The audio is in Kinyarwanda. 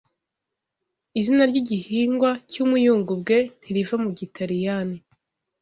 Izina ry'igihingwa cy'umuyugubwe ntiriva mu Gitaliyani